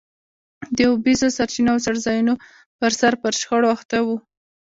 د اوبیزو سرچینو او څړځایونو پرسر پر شخړو اخته وو.